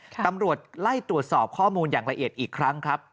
ตำรวจไล่ตรวจสอบข้อมูลอย่างละเอียดอีกครั้งครับ